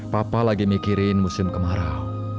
papa lagi mikirin musim kemarau